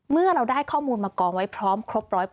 เมื่อเราได้ข้อมูลมากองไว้พร้อมครบ๑๐๐